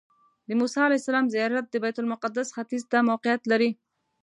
د موسی علیه السلام زیارت د بیت المقدس ختیځ ته موقعیت لري.